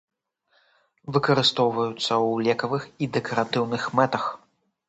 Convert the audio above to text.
Выкарыстоўваюцца ў лекавых і дэкаратыўных мэтах.